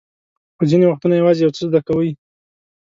خو ځینې وختونه یوازې یو څه زده کوئ.